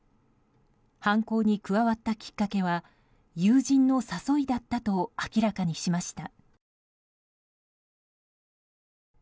犯行に加わったきっかけは友人の誘いだったと明らかにしました。